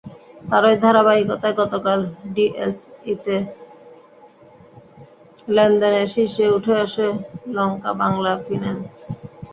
তারই ধারাবাহিকতায় গতকাল ডিএসইতে লেনদেনে শীর্ষে উঠে আসে লঙ্কাবাংলা ফিন্যান্স।